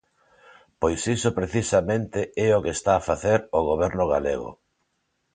Pois iso precisamente é o que está a facer o Goberno galego.